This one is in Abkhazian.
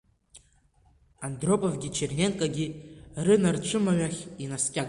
Андроповгьы Черненкогьы рынарцәымҩахь инаскьаган…